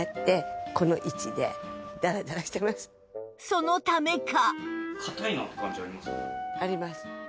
そのためか